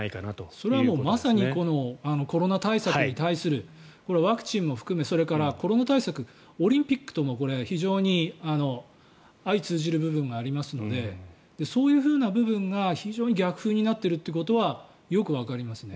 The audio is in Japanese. それはもうまさにコロナ対策に対するワクチンも含めそれからコロナ対策はオリンピックとも非常に相通じる部分がありますのでそういうふうな部分が非常に逆風になっていることはよくわかりますね。